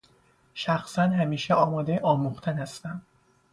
شخصا همیشه آماده آموختن هستم